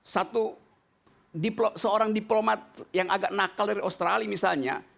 satu seorang diplomat yang agak nakal dari australia misalnya